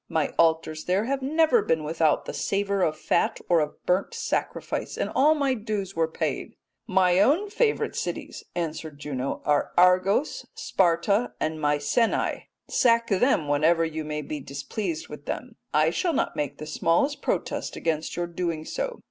My altars there have never been without the savour of fat or of burnt sacrifice and all my dues were paid.' "'My own favourite cities,' answered Juno, 'are Argos, Sparta, and Mycenae. Sack them whenever you may be displeased with them. I shall not make the smallest protest against your doing so.